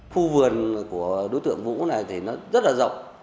khu vườn của đối tượng vũ này thì nó rất là rộng